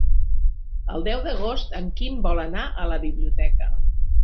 El deu d'agost en Quim vol anar a la biblioteca.